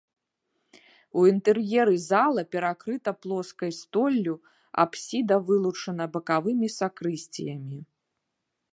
У інтэр'еры зала перакрыта плоскай столлю, апсіда вылучана бакавымі сакрысціямі.